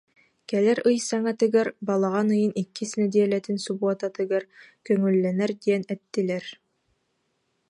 Кэлэр ый саҥатыгар, балаҕан ыйын иккис нэдиэлэтин субуотатыгар көҥүллэнэр диэн эттилэр